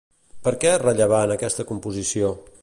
Per què és rellevant aquesta composició?